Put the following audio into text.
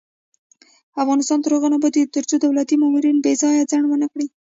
افغانستان تر هغو نه ابادیږي، ترڅو دولتي مامورین بې ځایه ځنډ ونه کړي.